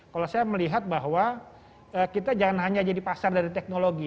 kalau saya melihat bahwa kita jangan hanya jadi pasar dari teknologi